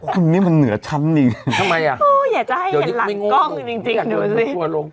คนนี้มันเหนือชั้นดิทำไมอ่ะโอ้ยอยากจะให้เห็นหลังกล้องจริงจริงดูสิ